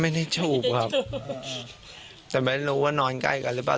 ไม่ได้จูบครับแต่ไม่รู้ว่านอนใกล้กันหรือเปล่า